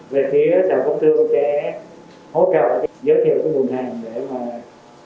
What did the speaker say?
về phía tổng công thương sẽ hỗ trợ giới thiệu cái nguồn hàng để mà